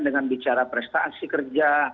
dengan bicara prestasi kerja